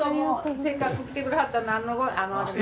せっかく来てくれはったのに何のあれも。